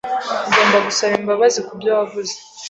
Ugomba gusaba imbabazi kubyo wavuze.